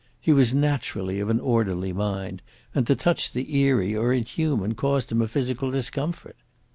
He was naturally of an orderly mind, and to touch the eerie or inhuman caused him a physical discomfort.